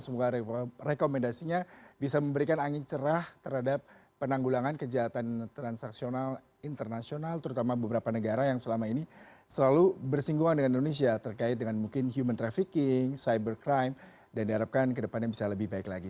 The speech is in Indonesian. semoga rekomendasinya bisa memberikan angin cerah terhadap penanggulangan kejahatan transaksional internasional terutama beberapa negara yang selama ini selalu bersinggungan dengan indonesia terkait dengan mungkin human trafficking cybercrime dan diharapkan kedepannya bisa lebih baik lagi